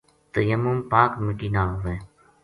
تیمم پاک مٹٰی نال ہووے۔